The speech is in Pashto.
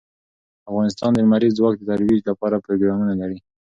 افغانستان د لمریز ځواک د ترویج لپاره پروګرامونه لري.